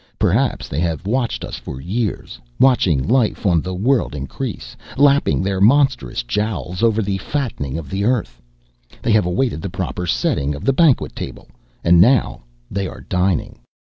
Perhaps they have watched us for years, watching life on the world increase, lapping their monstrous jowls over the fattening of the Earth. They have awaited the proper setting of the banquet table and now they are dining.